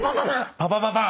パパパパン！